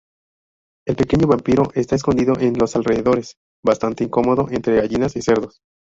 El pequeño vampiro está escondido en los alrededores, bastante incómodo entre gallinas y cerdos.